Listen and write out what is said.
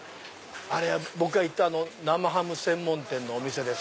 僕が行った生ハム専門店です。